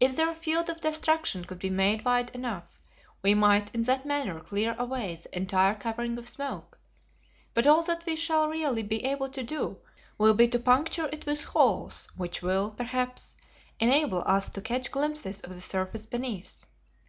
If their field of destruction could be made wide enough, we might in that manner clear away the entire covering of smoke, but all that we shall really be able to do will be to puncture it with holes, which will, perhaps, enable us to catch glimpses of the surface beneath.